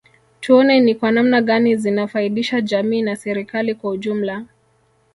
Tuone ni kwa namna gani zinafaidisha jamii na serikali kwa ujumla